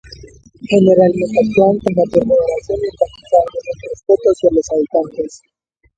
Generalmente actuaban con mayor moderación y enfatizaban en el respeto hacia los habitantes.